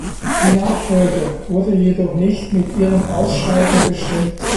Die Nachfolge wurde jedoch nicht mit ihrem Ausscheiden bestimmt.